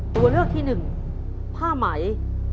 ตัวเลือกที่๑ผ้าไหม